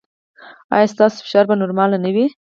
ایا ستاسو فشار به نورمال نه وي؟